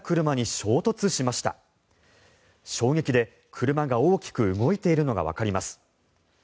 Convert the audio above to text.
衝撃で車が大きく動いているのがわかります。